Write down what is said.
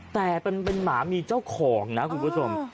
แต่เป็นหมามีเจ้าของนะคุณผู้ชม